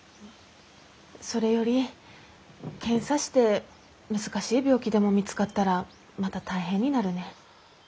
それより検査して難しい病気でも見つかったらまた大変になるね。